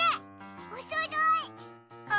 おそろい！